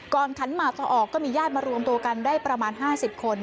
ขันหมากต่อออกก็มีญาติมารวมตัวกันได้ประมาณ๕๐คน